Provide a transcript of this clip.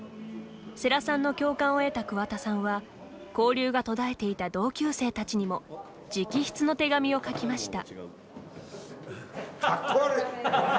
世良さんの共感を得た桑田さんは交流が途絶えていた同級生たちにも直筆の手紙を書きました。